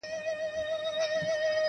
پر سر د دار خو د منصور د حق نعره یمه زه,